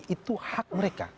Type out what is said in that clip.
itu hak mereka